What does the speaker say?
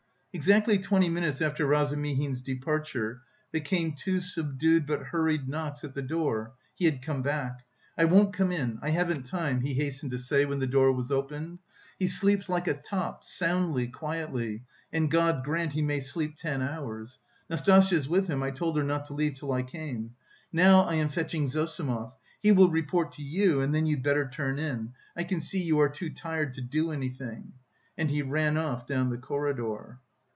Exactly twenty minutes after Razumihin's departure, there came two subdued but hurried knocks at the door: he had come back. "I won't come in, I haven't time," he hastened to say when the door was opened. "He sleeps like a top, soundly, quietly, and God grant he may sleep ten hours. Nastasya's with him; I told her not to leave till I came. Now I am fetching Zossimov, he will report to you and then you'd better turn in; I can see you are too tired to do anything...." And he ran off down the corridor.